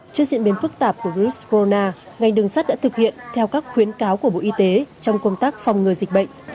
trước diễn biến phức tạp của virus corona ngành đường sắt đã thực hiện theo các khuyến cáo của bộ y tế trong công tác phòng ngừa dịch bệnh